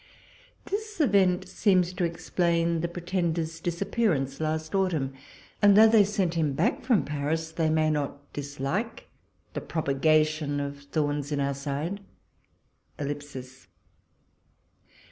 This event seems to explain the Pretender's disappearance last autumn ; and though they sent him back from Paris, they may not dislike the propagation of thorns in our side. ... 156 walpole's letters.